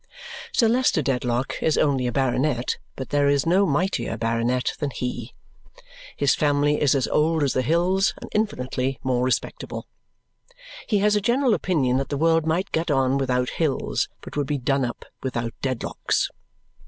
Sir Leicester Dedlock is only a baronet, but there is no mightier baronet than he. His family is as old as the hills, and infinitely more respectable. He has a general opinion that the world might get on without hills but would be done up without Dedlocks.